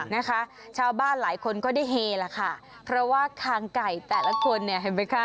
นะคะชาวบ้านหลายคนก็ได้เฮละค่ะเพราะว่าคางไก่แต่ละคนเนี่ยเห็นไหมคะ